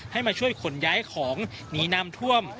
ให้มาช่วยขนย้ายของหนีน้ำท่วม